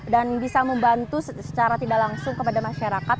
dan bisa membantu secara tidak langsung kepada masyarakat